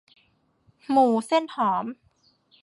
หมูเส้นหอม